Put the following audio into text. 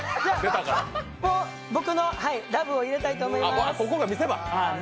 僕のラブを入れたいと思います。